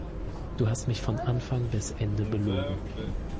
Du hast mich von Anfang bis Ende belogen.